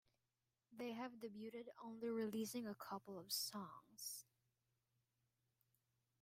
They have debuted only releasing a couple of songs.